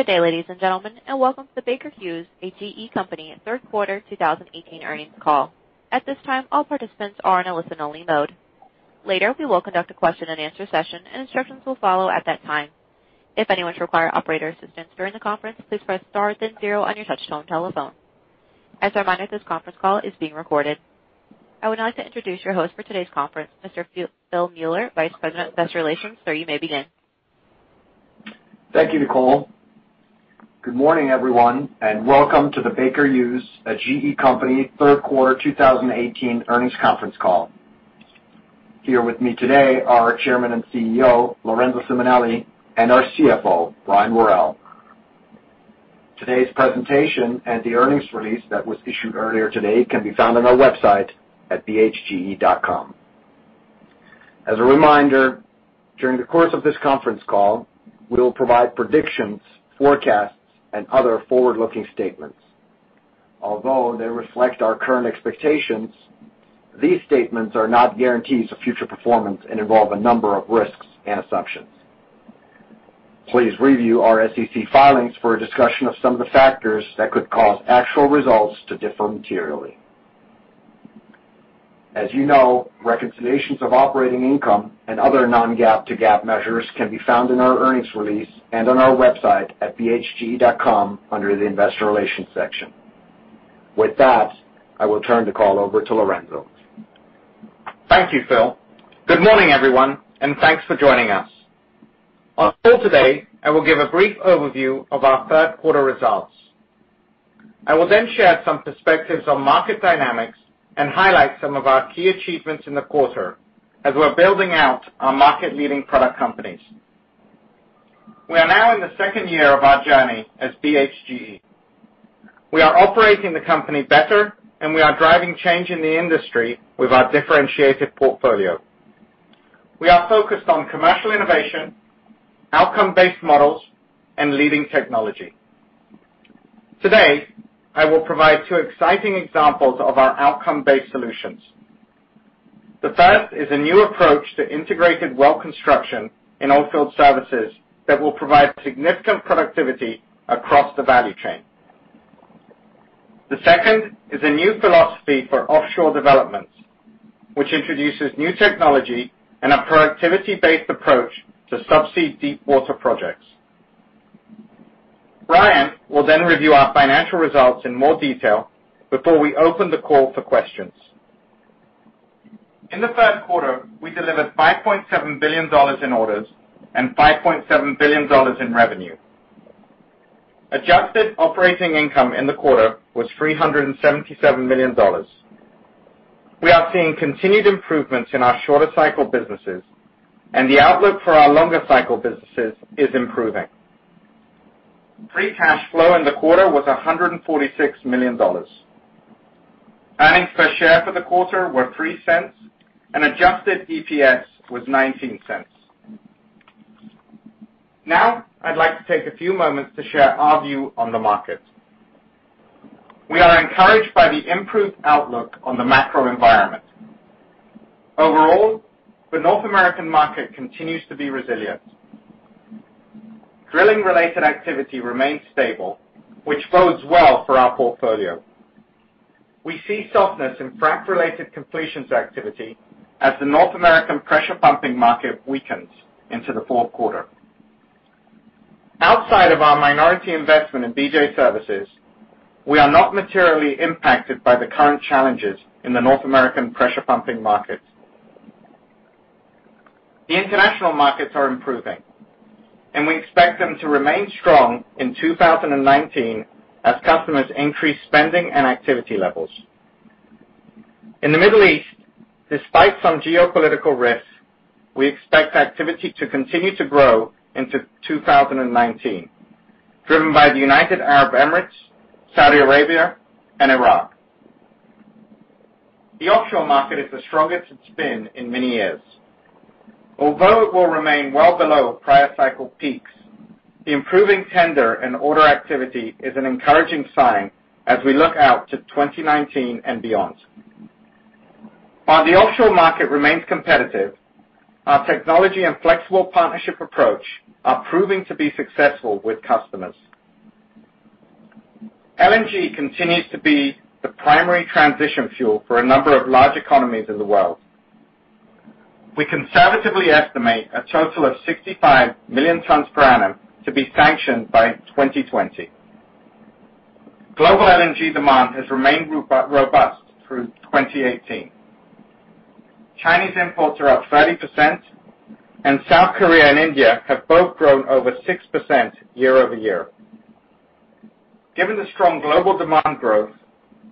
Good day, ladies and gentlemen, and welcome to the Baker Hughes, a GE company third quarter 2018 earnings call. At this time, all participants are in a listen only mode. Later, we will conduct a question and answer session, and instructions will follow at that time. If anyone should require operator assistance during the conference, please press star then zero on your touch tone telephone. As a reminder, this conference call is being recorded. I would like to introduce your host for today's conference, Mr. Phil Mueller, Vice President of Investor Relations. Sir, you may begin. Thank you, Nicole. Good morning, everyone, and welcome to the Baker Hughes, a GE company third quarter 2018 earnings conference call. Here with me today are Chairman and CEO, Lorenzo Simonelli, and our CFO, Brian Worrell. Today's presentation and the earnings release that was issued earlier today can be found on our website at bhge.com. As a reminder, during the course of this conference call, we will provide predictions, forecasts, and other forward-looking statements. Although they reflect our current expectations, these statements are not guarantees of future performance and involve a number of risks and assumptions. Please review our SEC filings for a discussion of some of the factors that could cause actual results to differ materially. As you know, reconciliations of operating income and other non-GAAP to GAAP measures can be found in our earnings release and on our website at bhge.com under the investor relations section. With that, I will turn the call over to Lorenzo. Thank you, Phil. Good morning, everyone, and thanks for joining us. On call today, I will give a brief overview of our third quarter results. I will then share some perspectives on market dynamics and highlight some of our key achievements in the quarter as we are building out our market-leading product companies. We are now in the second year of our journey as BHGE. We are operating the company better, and we are driving change in the industry with our differentiated portfolio. We are focused on commercial innovation, outcome-based models, and leading technology. Today, I will provide two exciting examples of our outcome-based solutions. The first is a new approach to integrated well construction in oilfield services that will provide significant productivity across the value chain. The second is a new philosophy for offshore developments, which introduces new technology and a productivity-based approach to subsea deepwater projects. Brian will review our financial results in more detail before we open the call for questions. In the third quarter, we delivered $5.7 billion in orders and $5.7 billion in revenue. Adjusted operating income in the quarter was $377 million. We are seeing continued improvements in our shorter cycle businesses, and the outlook for our longer cycle businesses is improving. Free cash flow in the quarter was $146 million. Earnings per share for the quarter were $0.03, and adjusted EPS was $0.19. Now, I'd like to take a few moments to share our view on the market. We are encouraged by the improved outlook on the macro environment. Overall, the North American market continues to be resilient. Drilling-related activity remains stable, which bodes well for our portfolio. We see softness in frac-related completions activity as the North American pressure pumping market weakens into the fourth quarter. Outside of our minority investment in BJ Services, we are not materially impacted by the current challenges in the North American pressure pumping markets. The international markets are improving. We expect them to remain strong in 2019 as customers increase spending and activity levels. In the Middle East, despite some geopolitical risks, we expect activity to continue to grow into 2019, driven by the United Arab Emirates, Saudi Arabia, and Iraq. The offshore market is the strongest it's been in many years. Although it will remain well below prior cycle peaks, the improving tender and order activity is an encouraging sign as we look out to 2019 and beyond. While the offshore market remains competitive, our technology and flexible partnership approach are proving to be successful with customers. LNG continues to be the primary transition fuel for a number of large economies in the world. We conservatively estimate a total of 65 million tons per annum to be sanctioned by 2020. Global LNG demand has remained robust through 2018. Chinese imports are up 30%. South Korea and India have both grown over 6% year-over-year. Given the strong global demand growth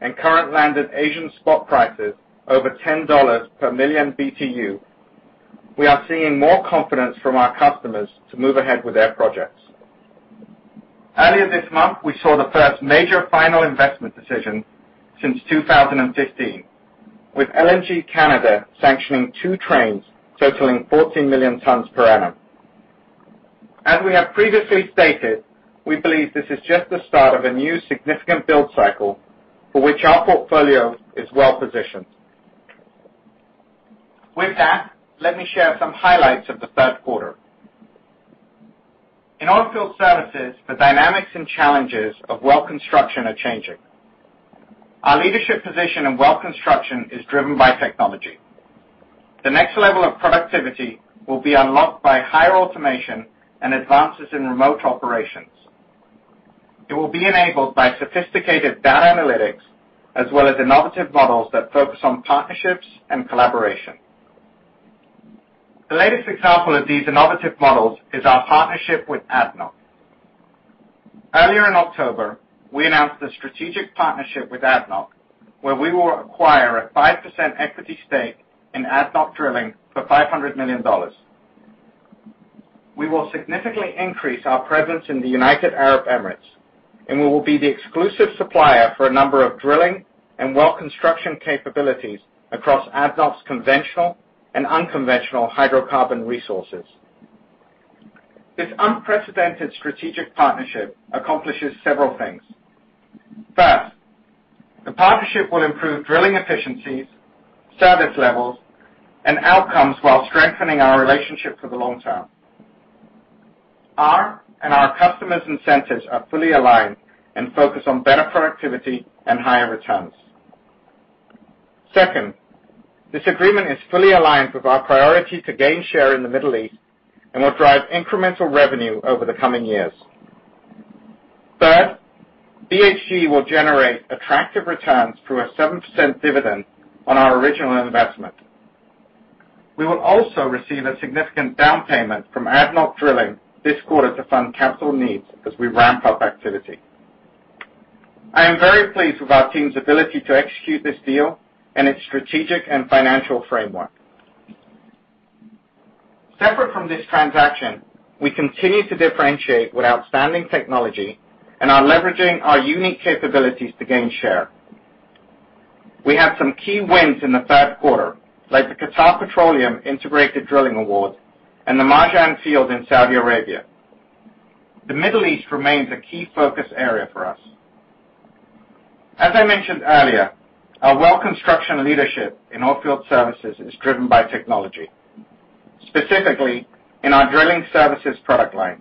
and current landed Asian spot prices over $10 per million BTU, we are seeing more confidence from our customers to move ahead with their projects. Earlier this month, we saw the first major final investment decision since 2015, with LNG Canada sanctioning 2 trains totaling 14 million tons per annum. As we have previously stated, we believe this is just the start of a new significant build cycle for which our portfolio is well positioned. Let me share some highlights of the third quarter. In oilfield services, the dynamics and challenges of well construction are changing. Our leadership position in well construction is driven by technology. The next level of productivity will be unlocked by higher automation and advances in remote operations. It will be enabled by sophisticated data analytics, as well as innovative models that focus on partnerships and collaboration. The latest example of these innovative models is our partnership with ADNOC. Earlier in October, we announced a strategic partnership with ADNOC, where we will acquire a 5% equity stake in ADNOC Drilling for $500 million. We will significantly increase our presence in the United Arab Emirates. We will be the exclusive supplier for a number of drilling and well construction capabilities across ADNOC's conventional and unconventional hydrocarbon resources. This unprecedented strategic partnership accomplishes several things. First, the partnership will improve drilling efficiencies, service levels, and outcomes while strengthening our relationship for the long term. Our and our customers' incentives are fully aligned and focused on better productivity and higher returns. Second, this agreement is fully aligned with our priority to gain share in the Middle East and will drive incremental revenue over the coming years. Third, BHGE will generate attractive returns through a 7% dividend on our original investment. We will also receive a significant down payment from ADNOC Drilling this quarter to fund capital needs as we ramp up activity. I am very pleased with our team's ability to execute this deal and its strategic and financial framework. Separate from this transaction, we continue to differentiate with outstanding technology and are leveraging our unique capabilities to gain share. We have some key wins in the third quarter, like the Qatar Petroleum Integrated Drilling Award and the Marjan field in Saudi Arabia. The Middle East remains a key focus area for us. As I mentioned earlier, our well construction leadership in oilfield services is driven by technology, specifically in our drilling services product line.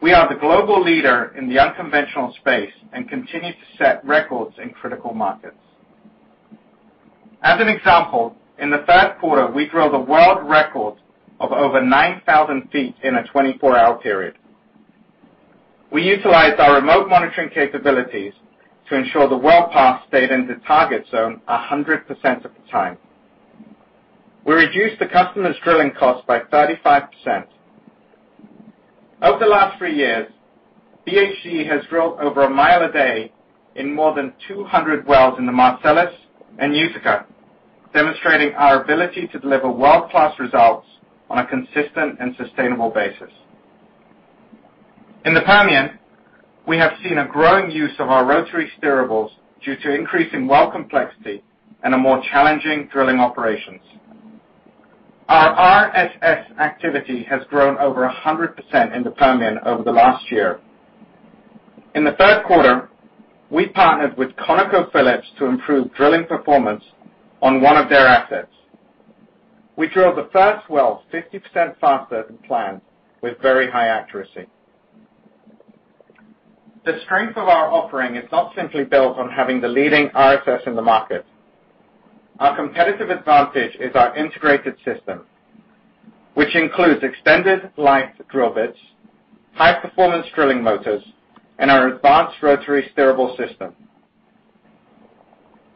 We are the global leader in the unconventional space and continue to set records in critical markets. As an example, in the third quarter, we drilled a world record of over 9,000 feet in a 24-hour period. We utilized our remote monitoring capabilities to ensure the well path stayed in the target zone 100% of the time. We reduced the customer's drilling cost by 35%. Over the last three years, BHGE has drilled over a mile a day in more than 200 wells in the Marcellus and Utica, demonstrating our ability to deliver world-class results on a consistent and sustainable basis. In the Permian, we have seen a growing use of our rotary steerables due to increasing well complexity and more challenging drilling operations. Our RSS activity has grown over 100% in the Permian over the last year. In the third quarter, we partnered with ConocoPhillips to improve drilling performance on one of their assets. We drilled the first well 50% faster than planned with very high accuracy. The strength of our offering is not simply built on having the leading RSS in the market. Our competitive advantage is our integrated system, which includes extended life drill bits, high-performance drilling motors, and our advanced rotary steerable system.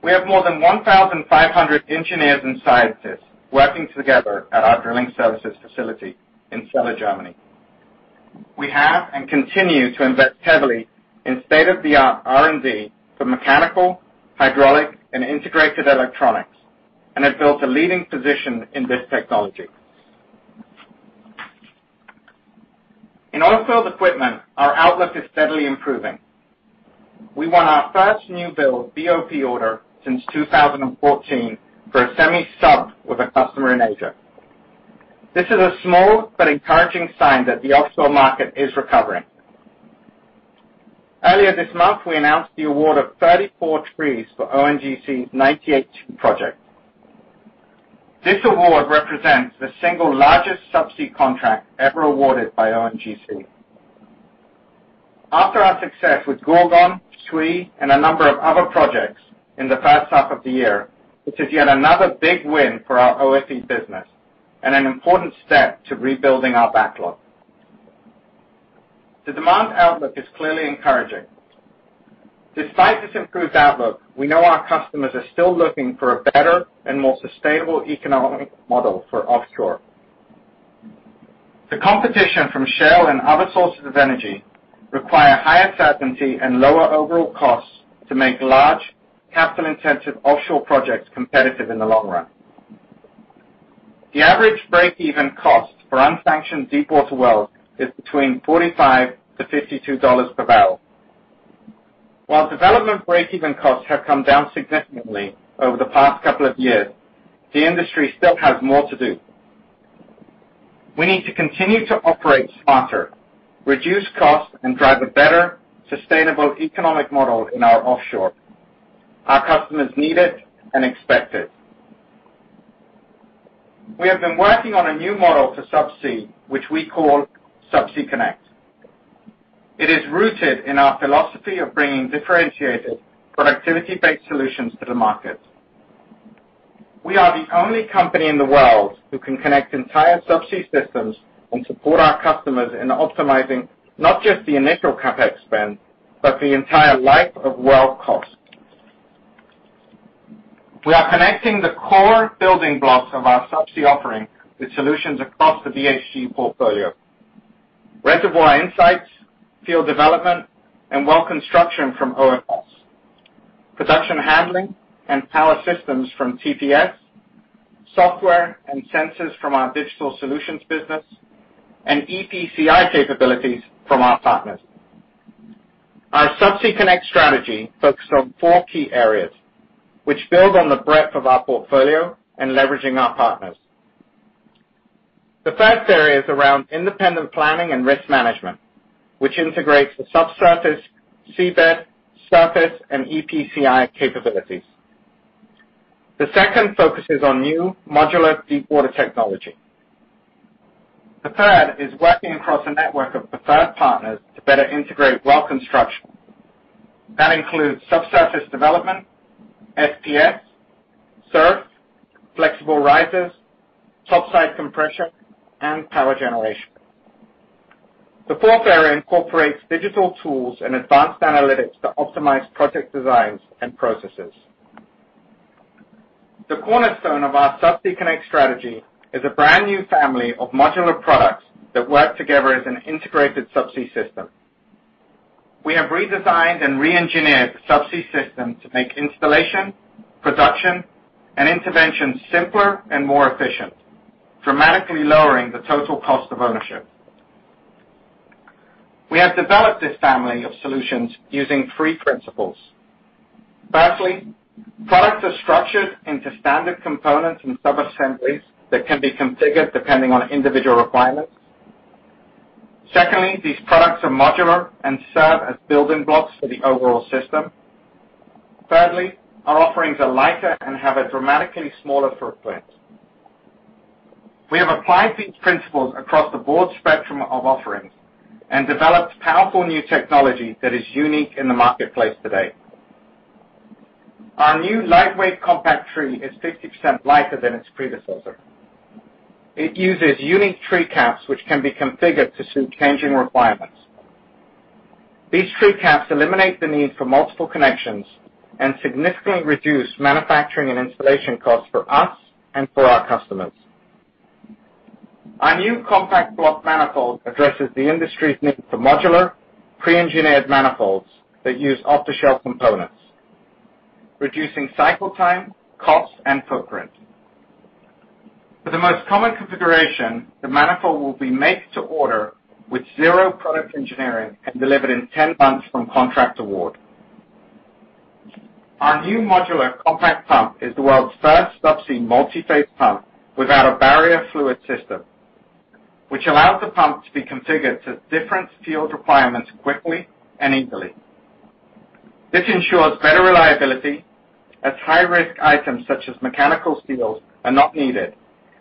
We have more than 1,500 engineers and scientists working together at our drilling services facility in Celle, Germany. We have and continue to invest heavily in state-of-the-art R&D for mechanical, hydraulic, and integrated electronics, and have built a leading position in this technology. In oilfield equipment, our outlook is steadily improving. We won our first new-build BOP order since 2014 for a semi-sub with a customer in Asia. Earlier this month, we announced the award of 34 trees for ONGC's 98 Project. This award represents the single largest subsea contract ever awarded by ONGC. After our success with Gorgon, Sui, and a number of other projects in the first half of the year, this is yet another big win for our OFE business and an important step to rebuilding our backlog. The demand outlook is clearly encouraging. Despite this improved outlook, we know our customers are still looking for a better and more sustainable economic model for offshore. The competition from shale and other sources of energy require higher certainty and lower overall costs to make large capital-intensive offshore projects competitive in the long run. The average break-even cost for unsanctioned deepwater wells is between $45-$52 per barrel. While development break-even costs have come down significantly over the past couple of years, the industry still has more to do. We need to continue to operate smarter, reduce costs, and drive a better sustainable economic model in our offshore. Our customers need it and expect it. We have been working on a new model for subsea, which we call Subsea Connect. It is rooted in our philosophy of bringing differentiated productivity-based solutions to the market. We are the only company in the world who can connect entire subsea systems and support our customers in optimizing not just the initial CapEx spend, but the entire life-of-well cost. We are connecting the core building blocks of our subsea offering with solutions across the BHGE portfolio. Reservoir insights, field development, and well construction from OFS. Production handling and power systems from TPS. Software and sensors from our digital solutions business, EPCI capabilities from our partners. Our Subsea Connect strategy focuses on four key areas, which build on the breadth of our portfolio and leveraging our partners. The first area is around independent planning and risk management, which integrates the subsurface, seabed, surface, and EPCI capabilities. The second focuses on new modular deepwater technology. The third is working across a network of preferred partners to better integrate well construction. That includes subsurface development, FPS, SURF, flexible risers, topside compression, and power generation. The fourth area incorporates digital tools and advanced analytics to optimize project designs and processes. The cornerstone of our Subsea Connect strategy is a brand-new family of modular products that work together as an integrated subsea system. We have redesigned and reengineered the subsea system to make installation, production, and intervention simpler and more efficient, dramatically lowering the total cost of ownership. We have developed this family of solutions using three principles. Firstly, products are structured into standard components and subassemblies that can be configured depending on individual requirements. Secondly, these products are modular and serve as building blocks for the overall system. Thirdly, our offerings are lighter and have a dramatically smaller footprint. We have applied these principles across the board spectrum of offerings and developed powerful new technology that is unique in the marketplace today. Our new lightweight compact tree is 50% lighter than its predecessor. It uses unique tree caps, which can be configured to suit changing requirements. These tree caps eliminate the need for multiple connections and significantly reduce manufacturing and installation costs for us and for our customers. Our new compact block manifold addresses the industry's need for modular, pre-engineered manifolds that use off-the-shelf components, reducing cycle time, cost, and footprint. For the most common configuration, the manifold will be made to order with zero product engineering and delivered in 10 months from contract award. Our new modular compact pump is the world's first subsea multiphase pump without a barrier fluid system, which allows the pump to be configured to different field requirements quickly and easily. This ensures better reliability as high-risk items such as mechanical seals are not needed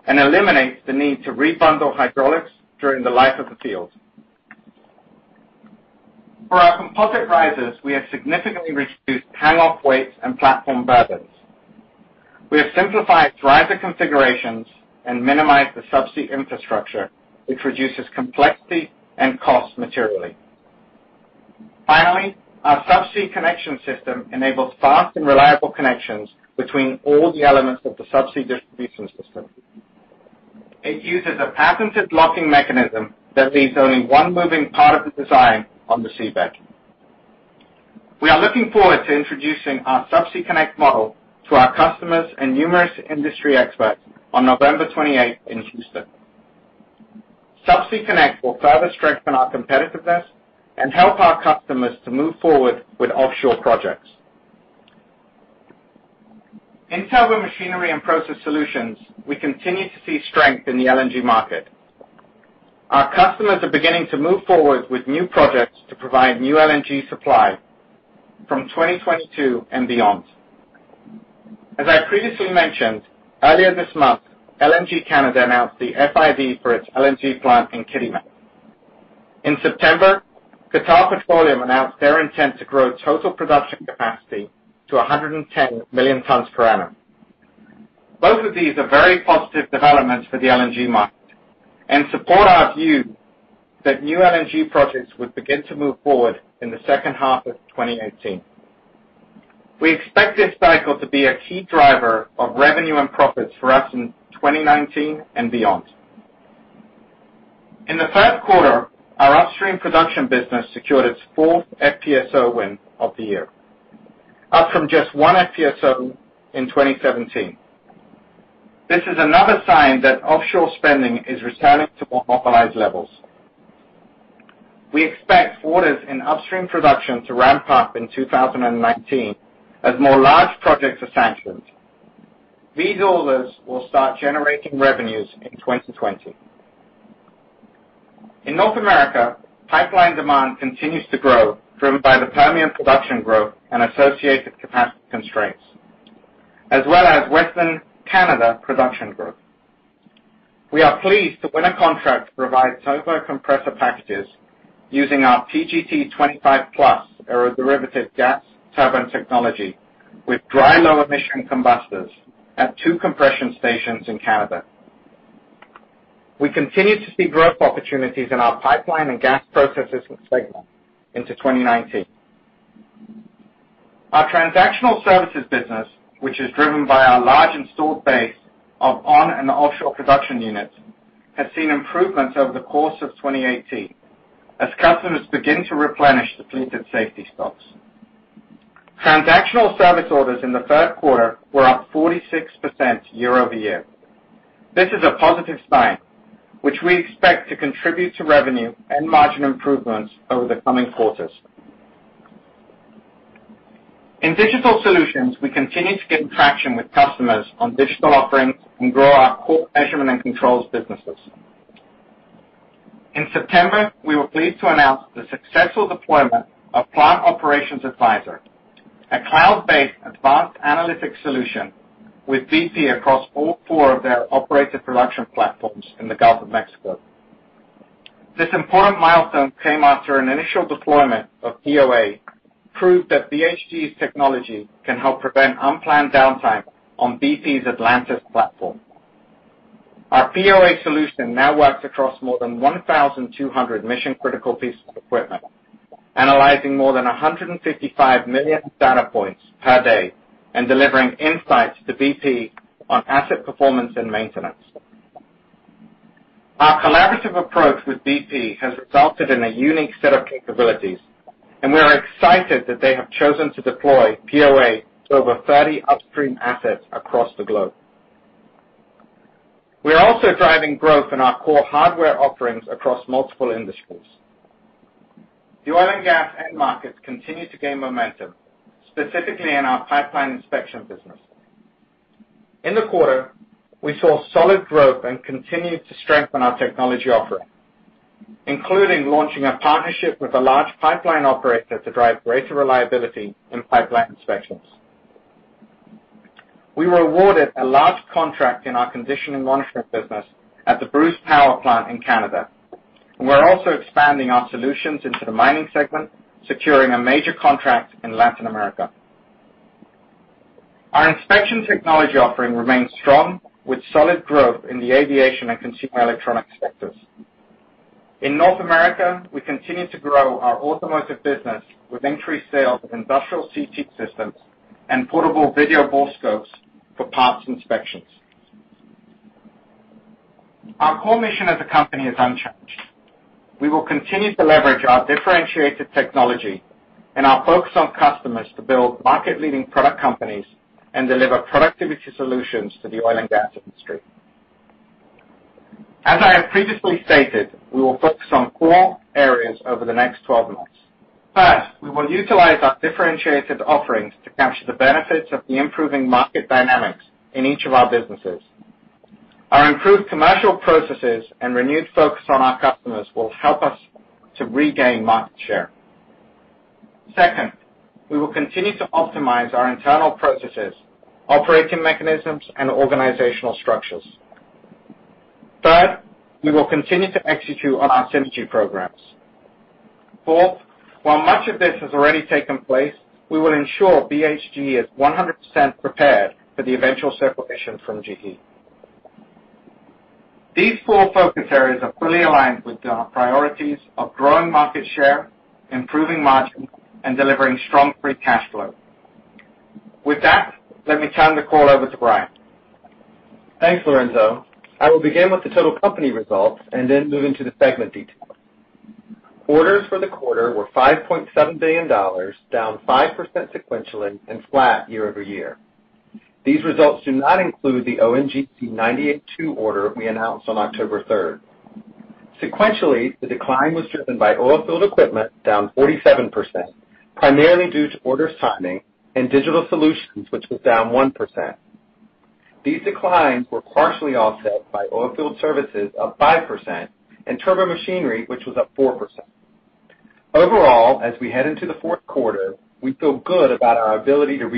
and eliminates the need to rebundle hydraulics during the life of the field. For our composite risers, we have significantly reduced hang-off weights and platform burdens. We have simplified riser configurations and minimized the subsea infrastructure, which reduces complexity and cost materially. Finally, our Subsea Connection system enables fast and reliable connections between all the elements of the subsea distribution system. It uses a patented locking mechanism that leaves only one moving part of the design on the seabed. We are looking forward to introducing our Subsea Connect model to our customers and numerous industry experts on November 28th in Houston. Subsea Connect will further strengthen our competitiveness and help our customers to move forward with offshore projects. In Turbomachinery and Process Solutions, we continue to see strength in the LNG market. Our customers are beginning to move forward with new projects to provide new LNG supply from 2022 and beyond. As I previously mentioned, earlier this month, LNG Canada announced the FID for its LNG plant in Kitimat. In September, Qatar Petroleum announced their intent to grow total production capacity to 110 million tons per annum. Both of these are very positive developments for the LNG market and support our view that new LNG projects would begin to move forward in the second half of 2018. We expect this cycle to be a key driver of revenue and profits for us in 2019 and beyond. In the third quarter, our upstream production business secured its fourth 1 FPSO win of the year, up from just 1 FPSO in 2017. This is another sign that offshore spending is returning to more normalized levels. We expect orders in upstream production to ramp up in 2019 as more large projects are sanctioned. These orders will start generating revenues in 2020. In North America, pipeline demand continues to grow, driven by the Permian production growth and associated capacity constraints, as well as Western Canada production growth. We are pleased to win a contract to provide turbo compressor packages using our PGT25+ aeroderivative gas turbine technology with dry low-emission combustors at 2 compression stations in Canada. We continue to see growth opportunities in our pipeline and gas processes segment into 2019. Our transactional services business, which is driven by our large installed base of on and offshore production units, has seen improvements over the course of 2018 as customers begin to replenish depleted safety stocks. Transactional service orders in the third quarter were up 46% year-over-year. This is a positive sign, which we expect to contribute to revenue and margin improvements over the coming quarters. In digital solutions, we continue to gain traction with customers on digital offerings and grow our core measurement and controls businesses. In September, we were pleased to announce the successful deployment of Plant Operations Advisor, a cloud-based advanced analytics solution with BP across all 4 of their operated production platforms in the Gulf of Mexico. This important milestone came after an initial deployment of POA, proved that BHGE's technology can help prevent unplanned downtime on BP's Atlantis platform. Our POA solution now works across more than 1,200 mission-critical pieces of equipment, analyzing more than 155 million data points per day, and delivering insights to BP on asset performance and maintenance. Our collaborative approach with BP has resulted in a unique set of capabilities, and we're excited that they have chosen to deploy POA to over 30 upstream assets across the globe. We are also driving growth in our core hardware offerings across multiple industries. The oil and gas end markets continue to gain momentum, specifically in our pipeline inspection business. In the quarter, we saw solid growth and continued to strengthen our technology offering, including launching a partnership with a large pipeline operator to drive greater reliability in pipeline inspections. We were awarded a large contract in our Bently Nevada business at the Bruce Power plant in Canada. We are also expanding our solutions into the mining segment, securing a major contract in Latin America. Our inspection technology offering remains strong with solid growth in the aviation and consumer electronics sectors. In North America, we continue to grow our automotive business with increased sales of industrial CT systems and portable video borescopes for parts inspections. Our core mission as a company is unchanged. We will continue to leverage our differentiated technology and our focus on customers to build market-leading product companies and deliver productivity solutions to the oil and gas industry. As I have previously stated, we will focus on core areas over the next 12 months. First, we will utilize our differentiated offerings to capture the benefits of the improving market dynamics in each of our businesses. Our improved commercial processes and renewed focus on our customers will help us to regain market share. Second, we will continue to optimize our internal processes, operating mechanisms, and organizational structures. Third, we will continue to execute on our synergy programs. Fourth, while much of this has already taken place, we will ensure BHGE is 100% prepared for the eventual separation from GE. These four focus areas are fully aligned with our priorities of growing market share, improving margins, and delivering strong free cash flow. With that, let me turn the call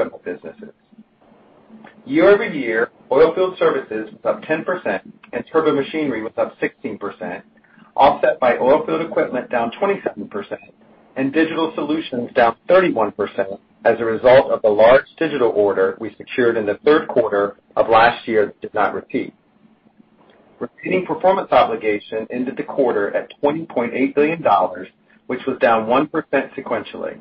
over to Brian. Year-over-year, Oilfield Services was up 10% and Turbomachinery was up 16%, offset by Oilfield Equipment down 27% and Digital Solutions down 31% as a result of the large digital order we secured in the third quarter of last year that did not repeat. Remaining performance obligation ended the quarter at $20.8 billion, which was down 1% sequentially.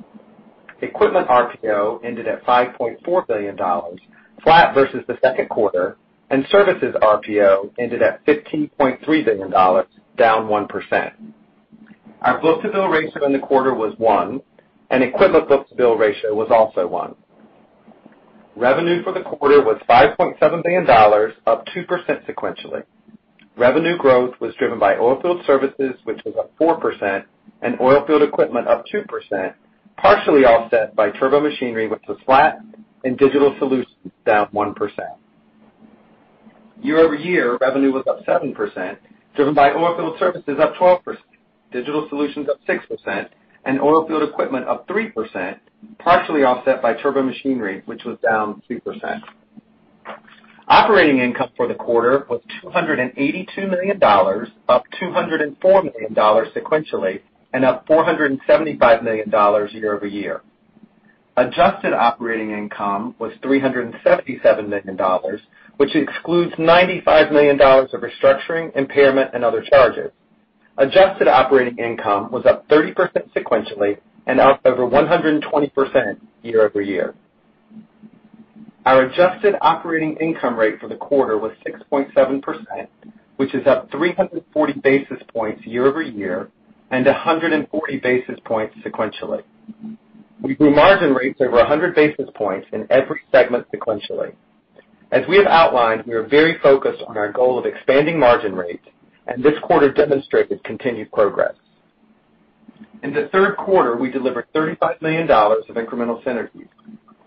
Equipment RPO ended at $5.4 billion, flat versus the second quarter, and services RPO ended at $15.3 billion, down 1%. Our book-to-bill ratio in the quarter was one, and equipment book-to-bill ratio was also one. Revenue for the quarter was $5.7 billion, up 2% sequentially. Revenue growth was driven by Oilfield Services, which was up 4%, and Oilfield Equipment up 2%, partially offset by Turbomachinery, which was flat, and Digital Solutions down 1%. Year-over-year, revenue was up 7%, driven by oilfield services up 12%, digital solutions up 6%, and oilfield equipment up 3%, partially offset by turbomachinery, which was down 3%. Operating income for the quarter was $282 million, up $204 million sequentially, and up $475 million year-over-year. Adjusted operating income was $377 million, which excludes $95 million of restructuring, impairment, and other charges. Adjusted operating income was up 30% sequentially and up over 120% year-over-year. Our adjusted operating income rate for the quarter was 6.7%, which is up 340 basis points year-over-year and 140 basis points sequentially. We grew margin rates over 100 basis points in every segment sequentially. As we have outlined, we are very focused on our goal of expanding margin rates, and this quarter demonstrated continued progress. In the third quarter, we delivered $35 million of incremental synergies.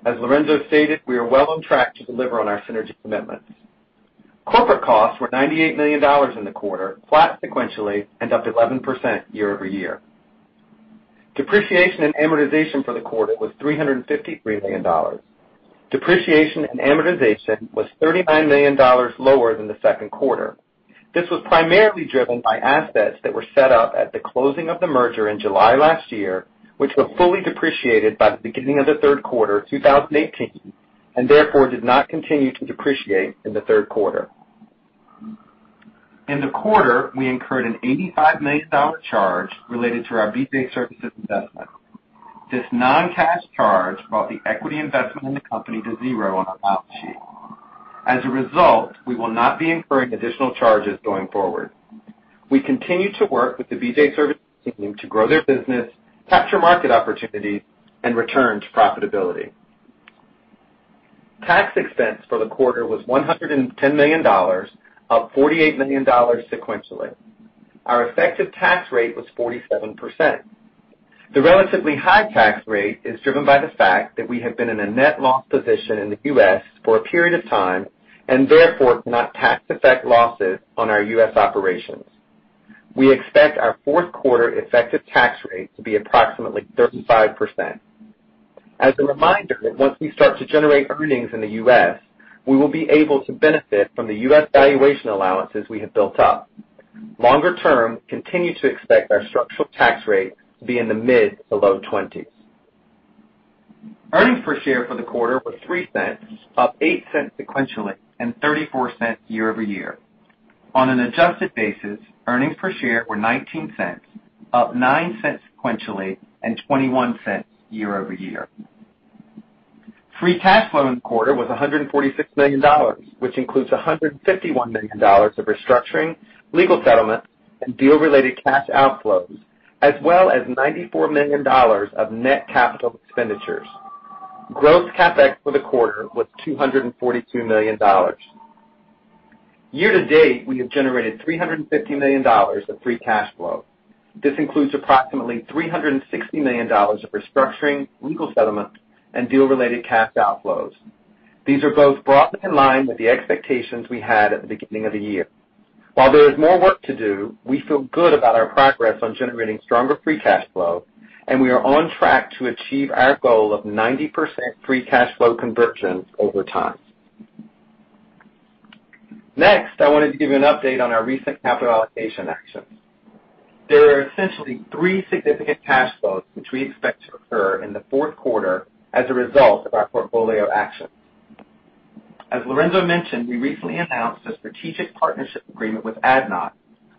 As Lorenzo stated, we are well on track to deliver on our synergy commitments. Corporate costs were $98 million in the quarter, flat sequentially and up 11% year-over-year. Depreciation and amortization for the quarter was $353 million. Depreciation and amortization was $39 million lower than the second quarter. This was primarily driven by assets that were set up at the closing of the merger in July last year, which were fully depreciated by the beginning of the third quarter 2018, and therefore did not continue to depreciate in the third quarter. In the quarter, we incurred an $85 million charge related to our BJ Services investment. This non-cash charge brought the equity investment in the company to zero on our balance sheet. As a result, we will not be incurring additional charges going forward. We continue to work with the BJ Services team to grow their business, capture market opportunities, and return to profitability. Tax expense for the quarter was $110 million, up $48 million sequentially. Our effective tax rate was 47%. The relatively high tax rate is driven by the fact that we have been in a net loss position in the U.S. for a period of time, and therefore, cannot tax-effect losses on our U.S. operations. We expect our fourth quarter effective tax rate to be approximately 35%. As a reminder that once we start to generate earnings in the U.S., we will be able to benefit from the U.S. valuation allowances we have built up. Longer term, continue to expect our structural tax rate to be in the mid to low 20s. Earnings per share for the quarter were $0.03, up $0.08 sequentially and $0.34 year-over-year. On an adjusted basis, earnings per share were $0.19, up $0.09 sequentially and $0.21 year-over-year. Free cash flow in the quarter was $146 million, which includes $151 million of restructuring, legal settlements, and deal-related cash outflows, as well as $94 million of net capital expenditures. Gross CapEx for the quarter was $242 million. Year-to-date, we have generated $350 million of free cash flow. This includes approximately $360 million of restructuring, legal settlements, and deal-related cash outflows. These are both broadly in line with the expectations we had at the beginning of the year. While there is more work to do, we feel good about our progress on generating stronger free cash flow, and we are on track to achieve our goal of 90% free cash flow conversion over time. Next, I wanted to give you an update on our recent capital allocation actions. There are essentially three significant cash flows which we expect to occur in the fourth quarter as a result of our portfolio actions. As Lorenzo mentioned, we recently announced a strategic partnership agreement with ADNOC,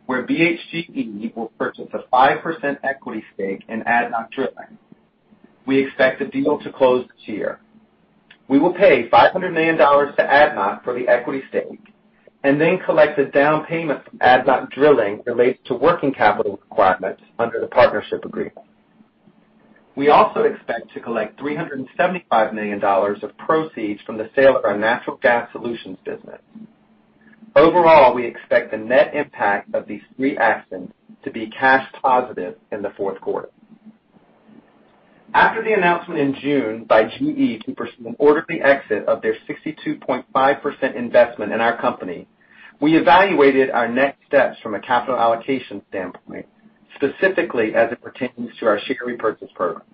where BHGE will purchase a 5% equity stake in ADNOC Drilling. We expect the deal to close this year. We will pay $500 million to ADNOC for the equity stake and then collect a down payment from ADNOC Drilling related to working capital requirements under the partnership agreement. We also expect to collect $375 million of proceeds from the sale of our Natural Gas Solutions business. Overall, we expect the net impact of these three actions to be cash positive in the fourth quarter. After the announcement in June by GE to pursue an orderly exit of their 62.5% investment in our company, we evaluated our next steps from a capital allocation standpoint, specifically as it pertains to our share repurchase program.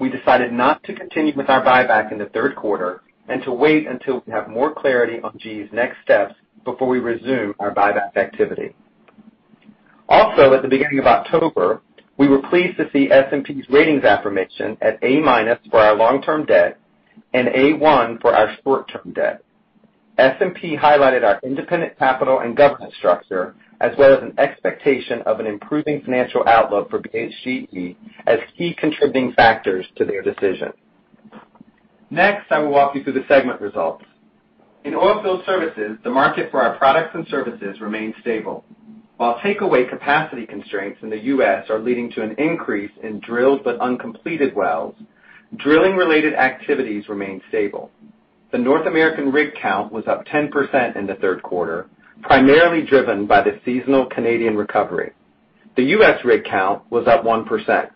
We decided not to continue with our buyback in the third quarter and to wait until we have more clarity on GE's next steps before we resume our buyback activity. At the beginning of October, we were pleased to see S&P's ratings affirmation at A minus for our long-term debt and A1 for our short-term debt. S&P highlighted our independent capital and governance structure, as well as an expectation of an improving financial outlook for BHGE as key contributing factors to their decision. Next, I will walk you through the segment results. In Oilfield Services, the market for our products and services remained stable. While takeaway capacity constraints in the U.S. are leading to an increase in drilled but uncompleted wells, drilling-related activities remained stable. The North American rig count was up 10% in the third quarter, primarily driven by the seasonal Canadian recovery. The U.S. rig count was up 1%.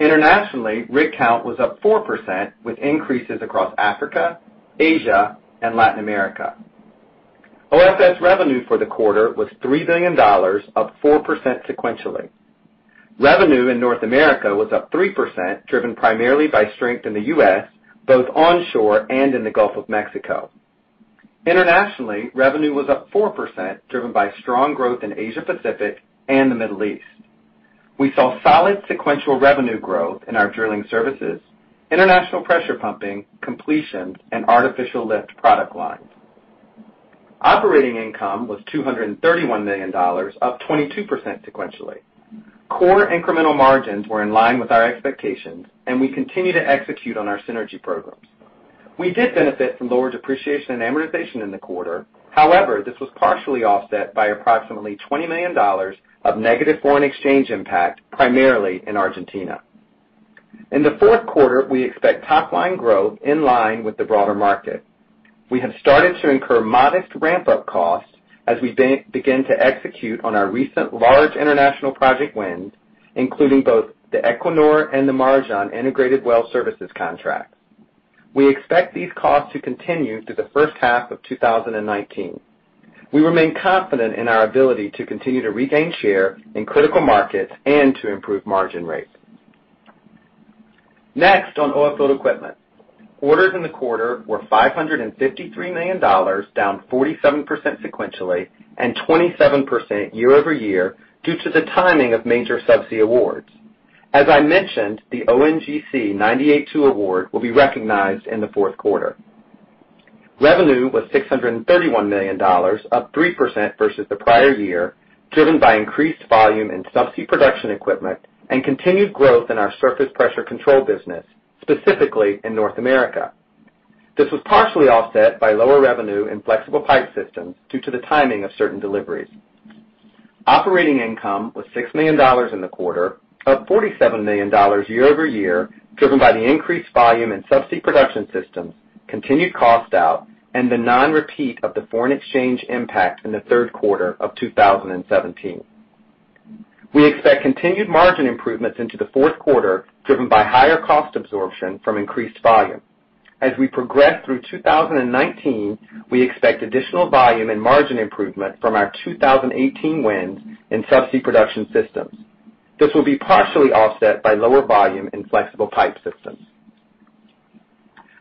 Internationally, rig count was up 4%, with increases across Africa, Asia, and Latin America. OFS revenue for the quarter was $3 billion, up 4% sequentially. Revenue in North America was up 3%, driven primarily by strength in the U.S., both onshore and in the Gulf of Mexico. Internationally, revenue was up 4%, driven by strong growth in Asia Pacific and the Middle East. We saw solid sequential revenue growth in our drilling services, international pressure pumping, completion, and artificial lift product lines. Operating income was $231 million, up 22% sequentially. Core incremental margins were in line with our expectations. We continue to execute on our synergy programs. We did benefit from lower depreciation and amortization in the quarter. However, this was partially offset by approximately $20 million of negative foreign exchange impact, primarily in Argentina. In the fourth quarter, we expect top-line growth in line with the broader market. We have started to incur modest ramp-up costs as we begin to execute on our recent large international project wins, including both the Equinor and the Marjan integrated well services contracts. We expect these costs to continue through the first half of 2019. We remain confident in our ability to continue to regain share in critical markets and to improve margin rates. Next, on Oilfield Equipment. Orders in the quarter were $553 million, down 47% sequentially and 27% year-over-year due to the timing of major subsea awards. As I mentioned, the ONGC 98/2 award will be recognized in the fourth quarter. Revenue was $631 million, up 3% versus the prior year, driven by increased volume in subsea production equipment and continued growth in our surface pressure control business, specifically in North America. This was partially offset by lower revenue in flexible pipe systems due to the timing of certain deliveries. Operating income was $6 million in the quarter, up $47 million year-over-year, driven by the increased volume in subsea production systems, continued cost out, and the non-repeat of the foreign exchange impact in the third quarter of 2017. We expect continued margin improvements into the fourth quarter, driven by higher cost absorption from increased volume. As we progress through 2019, we expect additional volume and margin improvement from our 2018 wins in subsea production systems. This will be partially offset by lower volume in flexible pipe systems.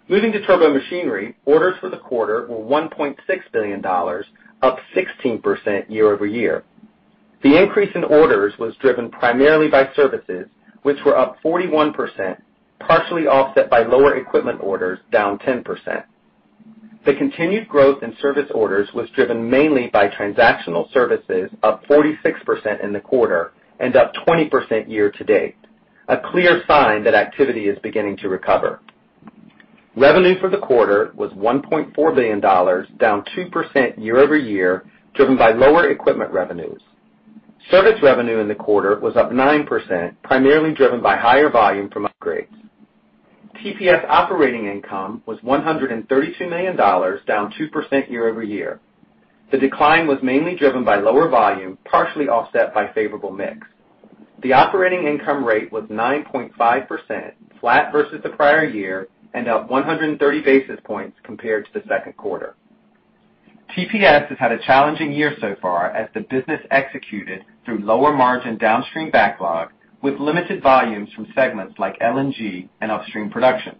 Moving to turbomachinery, orders for the quarter were $1.6 billion, up 16% year-over-year. The increase in orders was driven primarily by services, which were up 41%, partially offset by lower equipment orders, down 10%. The continued growth in service orders was driven mainly by transactional services, up 46% in the quarter and up 20% year-to-date, a clear sign that activity is beginning to recover. Revenue for the quarter was $1.4 billion, down 2% year-over-year, driven by lower equipment revenues. Service revenue in the quarter was up 9%, primarily driven by higher volume from upgrades. TPS operating income was $132 million, down 2% year-over-year. The decline was mainly driven by lower volume, partially offset by favorable mix. The operating income rate was 9.5%, flat versus the prior year and up 130 basis points compared to the second quarter. TPS has had a challenging year so far as the business executed through lower margin downstream backlog with limited volumes from segments like LNG and upstream production.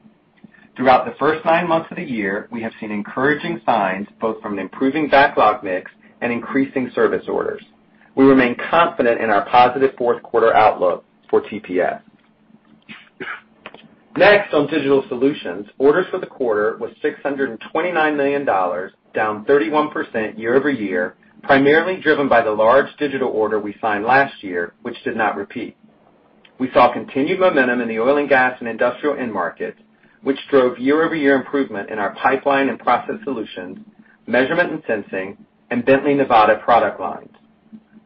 Throughout the first nine months of the year, we have seen encouraging signs both from an improving backlog mix and increasing service orders. We remain confident in our positive fourth quarter outlook for TPS. Next, on Digital Solutions, orders for the quarter was $629 million, down 31% year-over-year, primarily driven by the large digital order we signed last year, which did not repeat. We saw continued momentum in the oil and gas and industrial end markets, which drove year-over-year improvement in our Pipeline and Process Solutions, Measurement and Sensing, and Bently Nevada product lines.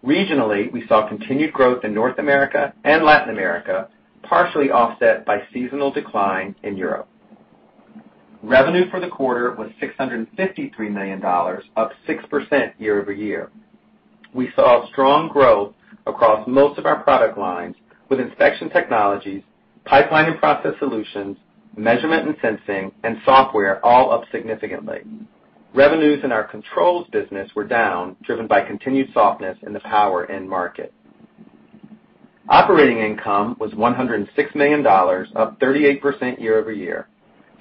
Regionally, we saw continued growth in North America and Latin America, partially offset by seasonal decline in Europe. Revenue for the quarter was $653 million, up 6% year-over-year. We saw strong growth across most of our product lines with Inspection Technologies, Pipeline and Process Solutions, Measurement and Sensing, and software all up significantly. Revenues in our Controls business were down, driven by continued softness in the power end market. Operating income was $106 million, up 38% year-over-year.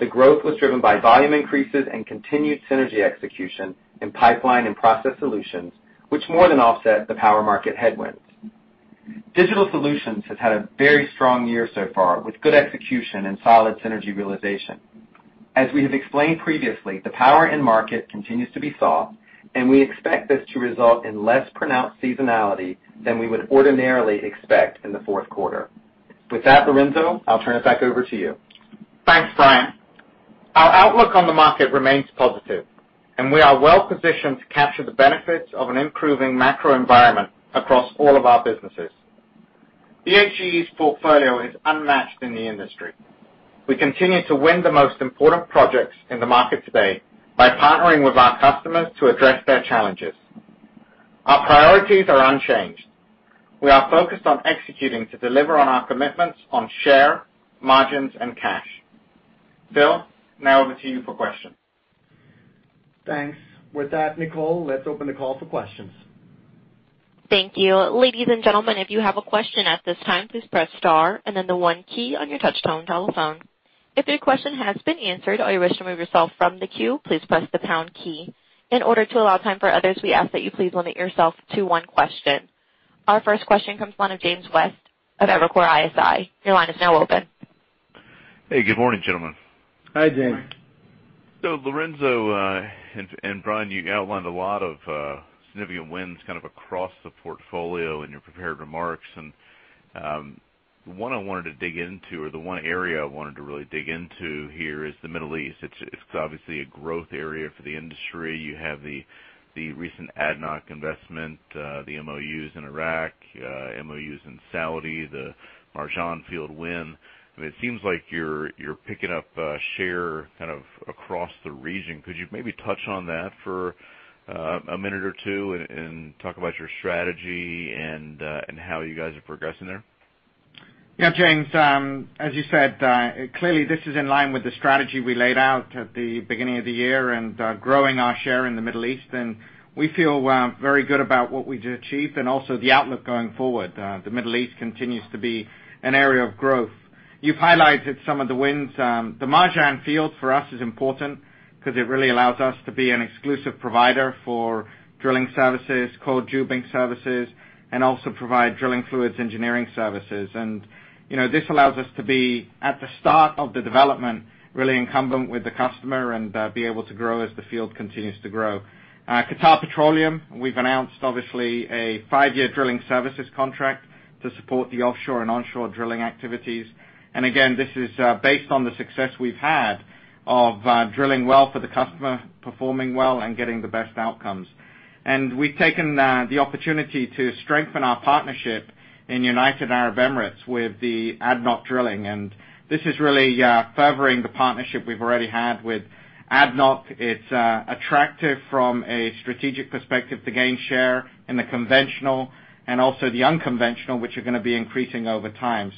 The growth was driven by volume increases and continued synergy execution in Pipeline and Process Solutions, which more than offset the power market headwinds. Digital Solutions has had a very strong year so far, with good execution and solid synergy realization. As we have explained previously, the power end market continues to be soft. We expect this to result in less pronounced seasonality than we would ordinarily expect in the fourth quarter. With that, Lorenzo, I'll turn it back over to you. Thanks, Brian. Our outlook on the market remains positive. We are well-positioned to capture the benefits of an improving macro environment across all of our businesses. BHGE's portfolio is unmatched in the industry. We continue to win the most important projects in the market today by partnering with our customers to address their challenges. Our priorities are unchanged. We are focused on executing to deliver on our commitments on share, margins, and cash. Phil, now over to you for questions. Thanks. With that, Nicole, let's open the call for questions. Thank you. Ladies and gentlemen, if you have a question at this time, please press star and then the one key on your touch-tone telephone. If your question has been answered or you wish to remove yourself from the queue, please press the pound key. In order to allow time for others, we ask that you please limit yourself to one question. Our first question comes from one of James West of Evercore ISI. Your line is now open. Hey, good morning, gentlemen. Hi, James. Lorenzo, and Brian, you outlined a lot of significant wins across the portfolio in your prepared remarks. The one I wanted to dig into, or the one area I wanted to really dig into here is the Middle East. It's obviously a growth area for the industry. You have the recent ADNOC investment, the MOUs in Iraq, MOUs in Saudi, the Marjan Field win. It seems like you're picking up share across the region. Could you maybe touch on that for a minute or two and talk about your strategy and how you guys are progressing there? Yeah, James, as you said, clearly this is in line with the strategy we laid out at the beginning of the year and growing our share in the Middle East, and we feel very good about what we've achieved and also the outlook going forward. The Middle East continues to be an area of growth. You've highlighted some of the wins. The Marjan Field for us is important because it really allows us to be an exclusive provider for drilling services, coiled tubing services, and also provide drilling fluids engineering services. This allows us to be at the start of the development, really incumbent with the customer and be able to grow as the field continues to grow. Qatar Petroleum, we've announced obviously a five-year drilling services contract to support the offshore and onshore drilling activities. Again, this is based on the success we've had of drilling well for the customer, performing well, and getting the best outcomes. We've taken the opportunity to strengthen our partnership in United Arab Emirates with ADNOC Drilling. This is really furthering the partnership we've already had with ADNOC. It's attractive from a strategic perspective to gain share in the conventional and also the unconventional, which are going to be increasing over time.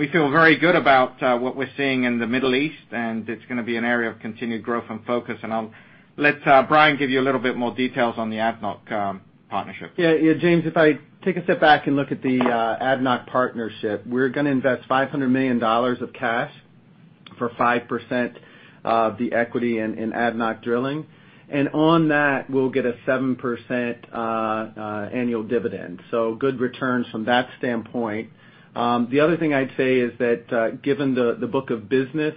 We feel very good about what we're seeing in the Middle East, and it's going to be an area of continued growth and focus. I'll let Brian give you a little bit more details on the ADNOC partnership. James, if I take a step back and look at the ADNOC partnership, we're going to invest $500 million of cash for 5% of the equity in ADNOC Drilling. On that, we'll get a 7% annual dividend. Good returns from that standpoint. The other thing I'd say is that given the book of business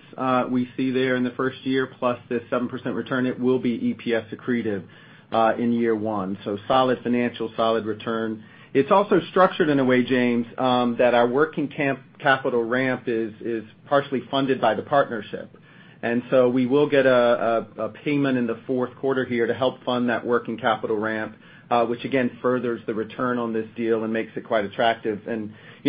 we see there in the first year, plus this 7% return, it will be EPS accretive in year one. Solid financial, solid return. It's also structured in a way, James, that our working capital ramp is partially funded by the partnership. So we will get a payment in the fourth quarter here to help fund that working capital ramp, which again furthers the return on this deal and makes it quite attractive.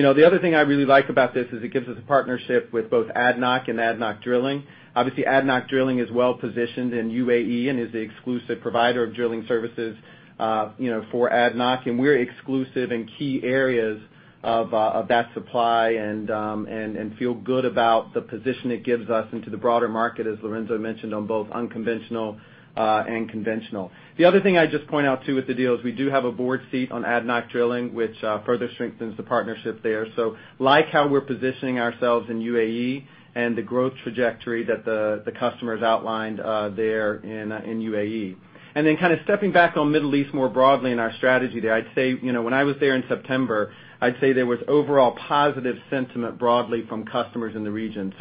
The other thing I really like about this is it gives us a partnership with both ADNOC and ADNOC Drilling. Obviously, ADNOC Drilling is well-positioned in UAE and is the exclusive provider of drilling services for ADNOC, and we're exclusive in key areas of that supply and feel good about the position it gives us into the broader market, as Lorenzo mentioned, on both unconventional and conventional. The other thing I'd just point out too with the deal is we do have a board seat on ADNOC Drilling, which further strengthens the partnership there. Like how we're positioning ourselves in UAE and the growth trajectory that the customers outlined there in UAE. Then stepping back on Middle East more broadly and our strategy there, when I was there in September, I'd say there was overall positive sentiment broadly from customers in the region.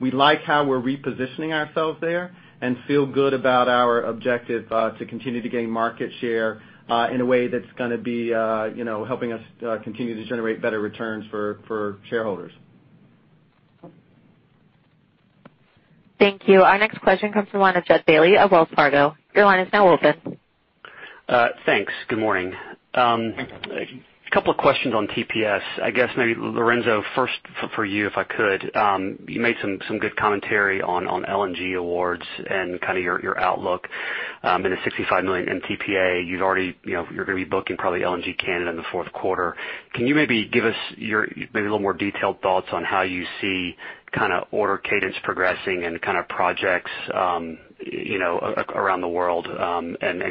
We like how we're repositioning ourselves there and feel good about our objective to continue to gain market share in a way that's going to be helping us continue to generate better returns for shareholders. Thank you. Our next question comes from one of Jud Bailey of Wells Fargo. Your line is now open. Thanks. Good morning. Thanks. A couple of questions on TPS. I guess maybe Lorenzo, first for you, if I could. You made some good commentary on LNG awards and your outlook in the 65 million MTPA. You're going to be booking probably LNG Canada in the fourth quarter. Can you maybe give us maybe a little more detailed thoughts on how you see order cadence progressing and projects around the world, and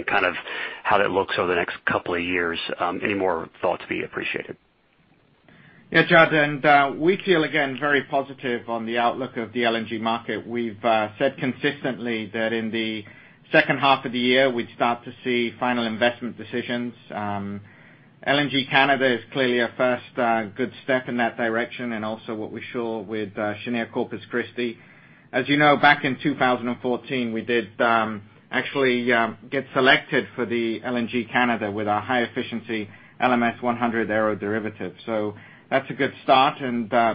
how that looks over the next couple of years? Any more thoughts would be appreciated. Yeah, Jud, we feel, again, very positive on the outlook of the LNG market. We've said consistently that in the second half of the year, we'd start to see final investment decisions. LNG Canada is clearly a first good step in that direction, and also what we saw with Cheniere Corpus Christi. As you know, back in 2014, we did actually get selected for the LNG Canada with our high-efficiency LMS100 aeroderivative. That's a good start.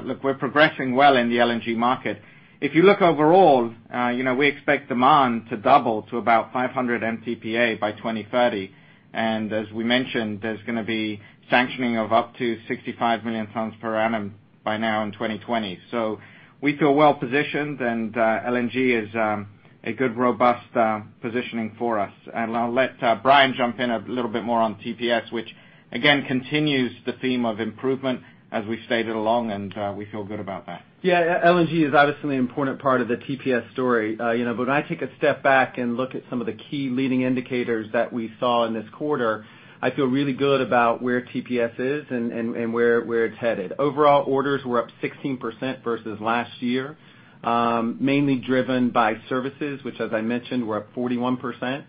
Look, we're progressing well in the LNG market. If you look overall, we expect demand to double to about 500 MTPA by 2030. As we mentioned, there's going to be sanctioning of up to 65 million tons per annum by now in 2020. We feel well-positioned, and LNG is a good, robust positioning for us. I'll let Brian jump in a little bit more on TPS, which again continues the theme of improvement as we've stated along, and we feel good about that. Yeah, LNG is obviously an important part of the TPS story. When I take a step back and look at some of the key leading indicators that we saw in this quarter, I feel really good about where TPS is and where it's headed. Overall orders were up 16% versus last year, mainly driven by services, which as I mentioned, were up 41%.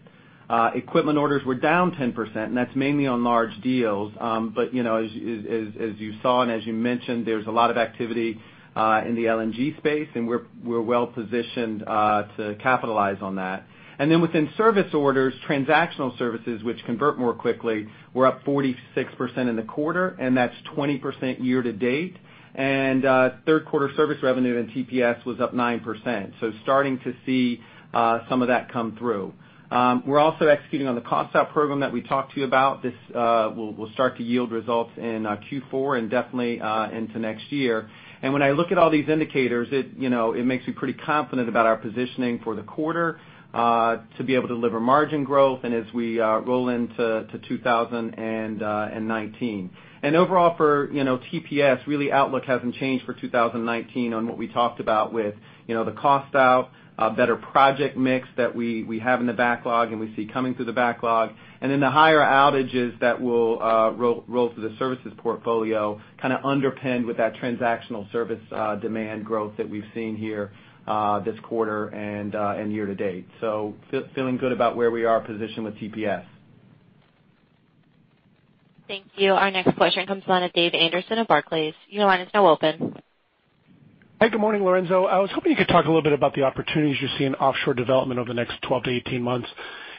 Equipment orders were down 10%, that's mainly on large deals. As you saw and as you mentioned, there's a lot of activity in the LNG space, and we're well-positioned to capitalize on that. Then within service orders, transactional services, which convert more quickly, were up 46% in the quarter, that's 20% year to date. Third quarter service revenue in TPS was up 9%. Starting to see some of that come through. We're also executing on the cost out program that we talked to you about. This will start to yield results in Q4 and definitely into next year. When I look at all these indicators, it makes me pretty confident about our positioning for the quarter to be able to deliver margin growth as we roll into 2019. Overall for TPS, really outlook hasn't changed for 2019 on what we talked about with the cost out, a better project mix that we have in the backlog and we see coming through the backlog, then the higher outages that will roll through the services portfolio underpinned with that transactional service demand growth that we've seen here this quarter and year to date. Feeling good about where we are positioned with TPS. Thank you. Our next question comes from David Anderson of Barclays. Your line is now open. Hi, good morning, Lorenzo. I was hoping you could talk a little bit about the opportunities you see in offshore development over the next 12 to 18 months.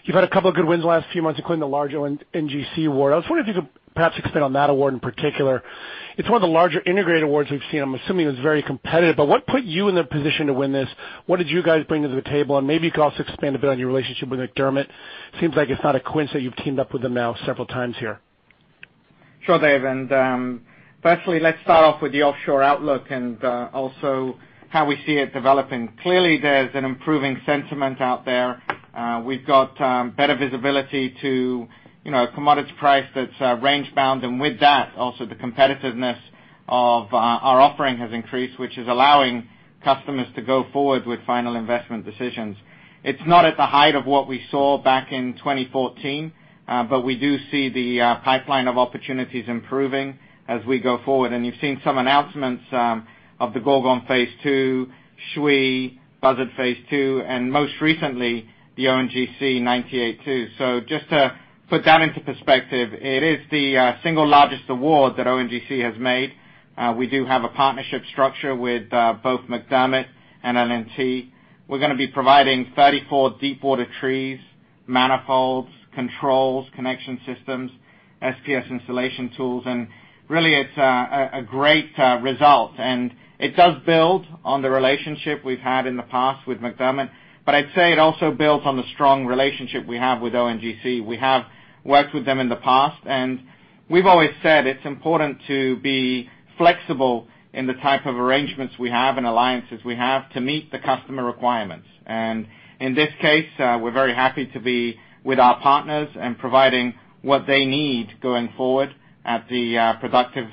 You've had a couple of good wins the last few months, including the large ONGC award. I was wondering if you could perhaps expand on that award in particular. It's one of the larger integrated awards we've seen. I'm assuming it's very competitive, but what put you in the position to win this? What did you guys bring to the table? Maybe you could also expand a bit on your relationship with McDermott. Seems like it's not a coincidence you've teamed up with them now several times here. Sure, Dave. Firstly, let's start off with the offshore outlook and also how we see it developing. Clearly, there's an improving sentiment out there. We've got better visibility to a commodity price that's range bound, and with that, also the competitiveness of our offering has increased, which is allowing customers to go forward with final investment decisions. It's not at the height of what we saw back in 2014, but we do see the pipeline of opportunities improving as we go forward. You've seen some announcements of the Gorgon Stage 2, Schiehallion, Buzzard Phase II, and most recently, the ONGC 982. Just to put that into perspective, it is the single largest award that ONGC has made. We do have a partnership structure with both McDermott and L&T. We're going to be providing 34 deepwater trees, manifolds, controls, connection systems, SPS installation tools. Really it's a great result, and it does build on the relationship we've had in the past with McDermott. I'd say it also builds on the strong relationship we have with ONGC. We have worked with them in the past, and we've always said it's important to be flexible in the type of arrangements we have and alliances we have to meet the customer requirements. In this case, we're very happy to be with our partners and providing what they need going forward at the productive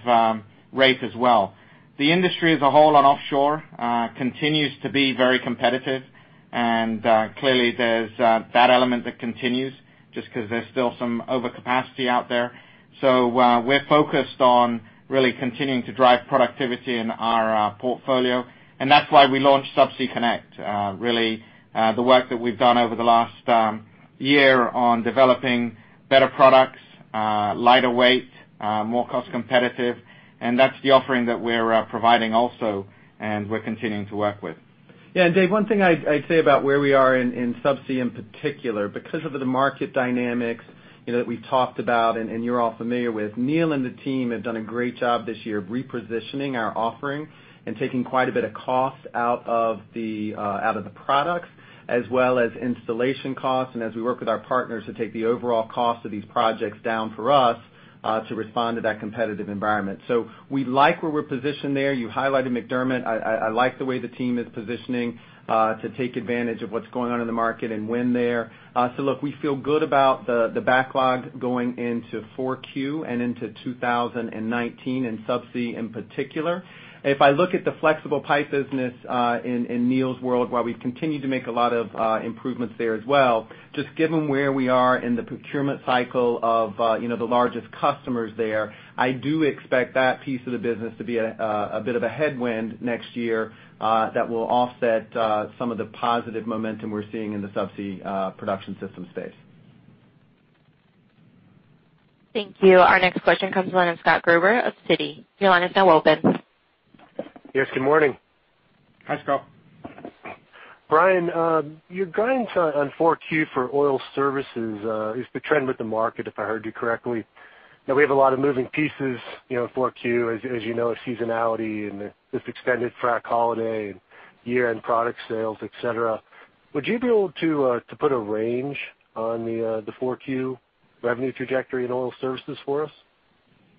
rate as well. The industry as a whole on offshore continues to be very competitive. Clearly, there's that element that continues just because there's still some overcapacity out there. We're focused on really continuing to drive productivity in our portfolio, and that's why we launched Subsea Connect. Really the work that we've done over the last year on developing better products, lighter weight, more cost competitive, and that's the offering that we're providing also and we're continuing to work with. Dave, one thing I'd say about where we are in Subsea in particular, because of the market dynamics that we've talked about and you're all familiar with, Neil and the team have done a great job this year of repositioning our offering and taking quite a bit of cost out of the products as well as installation costs, as we work with our partners to take the overall cost of these projects down for us to respond to that competitive environment. We like where we're positioned there. You highlighted McDermott. I like the way the team is positioning to take advantage of what's going on in the market and win there. Look, we feel good about the backlog going into Q4 and into 2019 in Subsea in particular. If I look at the flexible pipe business in Neil's world, while we've continued to make a lot of improvements there as well, just given where we are in the procurement cycle of the largest customers there, I do expect that piece of the business to be a bit of a headwind next year that will offset some of the positive momentum we're seeing in the Subsea production system space. Thank you. Our next question comes from Scott Gruber of Citi. Your line is now open. Good morning. Hi, Scott. Brian, your guidance on 4Q for oil services is to trend with the market, if I heard you correctly. We have a lot of moving pieces in 4Q, as you know, seasonality and this extended frac holiday and year-end product sales, et cetera. Would you be able to put a range on the 4Q revenue trajectory in oil services for us?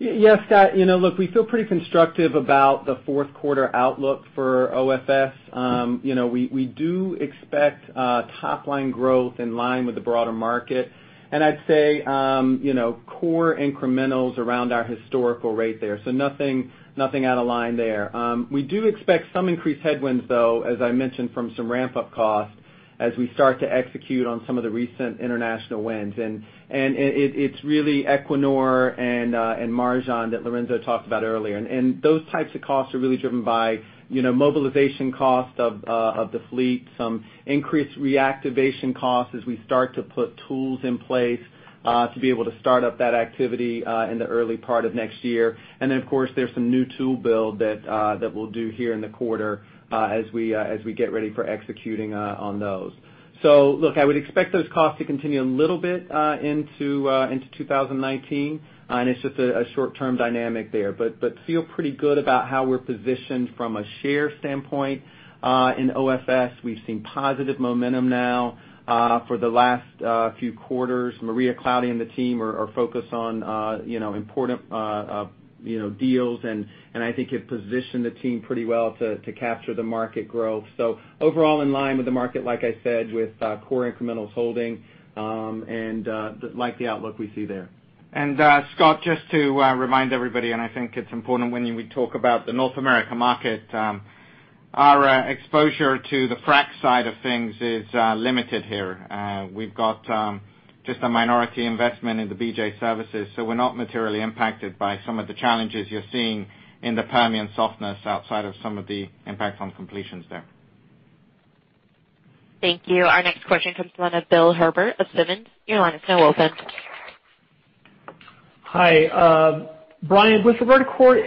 Yeah, Scott. Look, we feel pretty constructive about the fourth quarter outlook for OFS. We do expect top-line growth in line with the broader market, and I'd say core incrementals around our historical rate there. Nothing out of line there. We do expect some increased headwinds, though, as I mentioned, from some ramp-up costs as we start to execute on some of the recent international wins. It's really Equinor and Marjan that Lorenzo talked about earlier. Those types of costs are really driven by mobilization cost of the fleet, some increased reactivation costs as we start to put tools in place, to be able to start up that activity in the early part of next year. Of course, there's some new tool build that we'll do here in the quarter, as we get ready for executing on those. Look, I would expect those costs to continue a little bit into 2019, and it's just a short-term dynamic there. Feel pretty good about how we're positioned from a share standpoint. In OFS, we've seen positive momentum now for the last few quarters. Maria Claudia and the team are focused on important deals and I think have positioned the team pretty well to capture the market growth. Overall in line with the market, like I said, with core incrementals holding, and like the outlook we see there. Scott, just to remind everybody, and I think it's important when we talk about the North America market, our exposure to the frac side of things is limited here. We've got just a minority investment in BJ Services, so we're not materially impacted by some of the challenges you're seeing in the Permian softness outside of some of the impact on completions there. Thank you. Our next question comes from Bill Herbert of Simmons. Your line is now open. Hi. Brian, with regard to core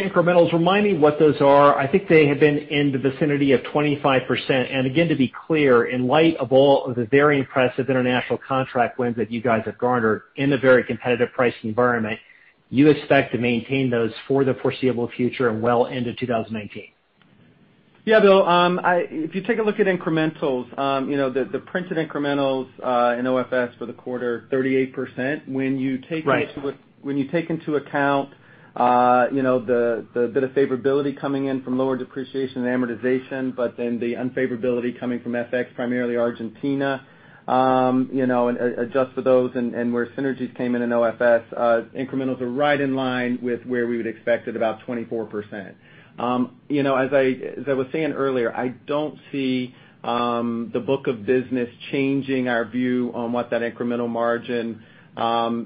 incrementals, remind me what those are. I think they have been in the vicinity of 25%. Again, to be clear, in light of all of the very impressive international contract wins that you guys have garnered in a very competitive pricing environment, you expect to maintain those for the foreseeable future and well into 2019. Yeah, Bill. If you take a look at incrementals, the printed incrementals in OFS for the quarter, 38%. Right. When you take into account the bit of favorability coming in from lower depreciation and amortization, but then the unfavorability coming from FX, primarily Argentina, and adjust for those and where synergies came in in OFS, incrementals are right in line with where we would expect at about 24%. As I was saying earlier, I don't see the book of business changing our view on what that incremental margin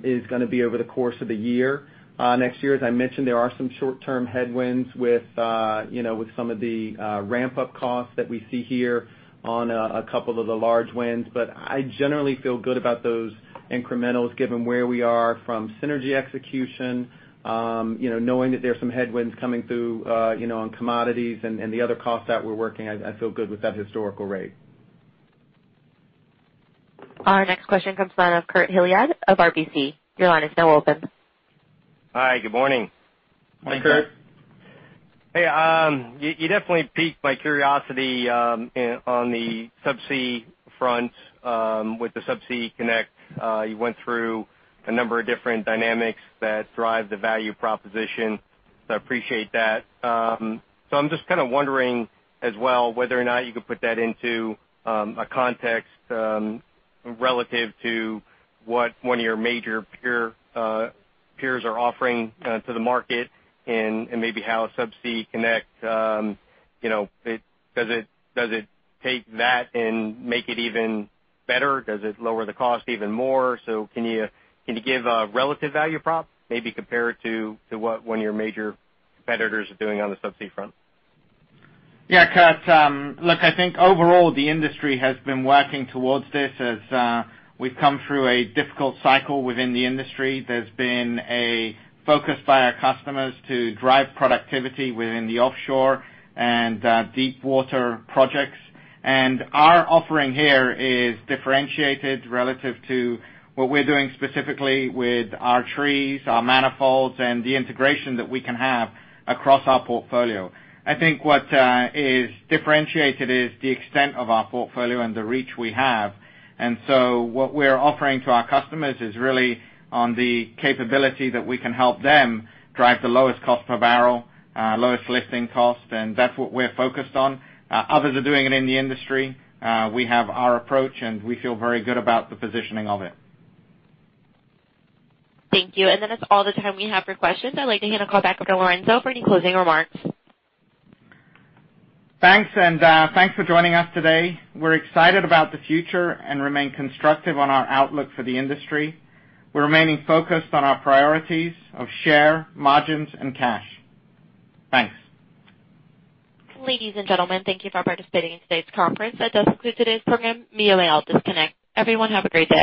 is going to be over the course of the year. Next year, as I mentioned, there are some short-term headwinds with some of the ramp-up costs that we see here on a couple of the large wins. I generally feel good about those incrementals, given where we are from synergy execution. Knowing that there's some headwinds coming through on commodities and the other costs that we're working, I feel good with that historical rate. Our next question comes from Kurt Hallead of RBC. Your line is now open. Hi, good morning. Hi, Kurt. Hey, you definitely piqued my curiosity on the subsea front with the Subsea Connect. You went through a number of different dynamics that drive the value proposition, so I appreciate that. I'm just kind of wondering as well, whether or not you could put that into a context relative to what one of your major peers are offering to the market and maybe how Subsea Connect, does it take that and make it even better? Does it lower the cost even more? Can you give a relative value prop, maybe compare it to what one of your major competitors are doing on the subsea front? Yeah, Kurt. Look, I think overall, the industry has been working towards this as we've come through a difficult cycle within the industry. There's been a focus by our customers to drive productivity within the offshore and deepwater projects. Our offering here is differentiated relative to what we're doing specifically with our trees, our manifolds, and the integration that we can have across our portfolio. I think what is differentiated is the extent of our portfolio and the reach we have. What we're offering to our customers is really on the capability that we can help them drive the lowest cost per barrel, lowest lifting cost, and that's what we're focused on. Others are doing it in the industry. We have our approach, and we feel very good about the positioning of it. Thank you. That is all the time we have for questions. I'd like to hand the call back over to Lorenzo for any closing remarks. Thanks. Thanks for joining us today. We're excited about the future and remain constructive on our outlook for the industry. We're remaining focused on our priorities of share, margins, and cash. Thanks. Ladies and gentlemen, thank you for participating in today's conference. That does conclude today's program. You may all disconnect. Everyone have a great day.